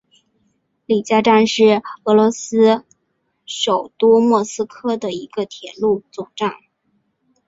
里加站是俄罗斯首都莫斯科的一个铁路总站。